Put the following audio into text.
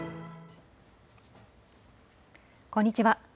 こんにちは。